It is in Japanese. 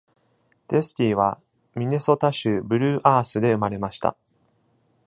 デスキーはミネソタ州ブルー・アースで生まれました。